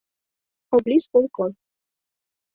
Облисполком».